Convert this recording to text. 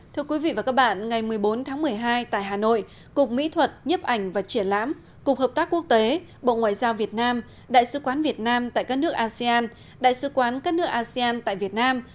thưa quý vị và các bạn ngày một mươi bốn tháng một mươi hai tại hà nội cục mỹ thuật nhếp ảnh và triển lãm cục hợp tác quốc tế bộ ngoại giao việt nam đại sứ quán việt nam tại các nước asean đại sứ quán các nước asean tại việt nam